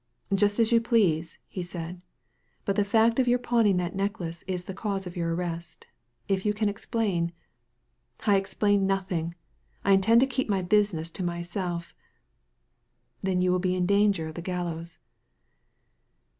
"Just as you please," he said; "but the fact of your pawning that necklace is the cause of your arrest If you can explain "" I explain nothing. I intend to keep my business to myself." Then you will be in danger of the gallows."